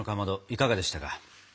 いかがでしたか？